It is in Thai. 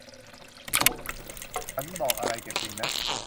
ฉันบอกอะไรแก่คุณนะ